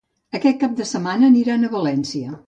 Aquest cap de setmana aniran a València.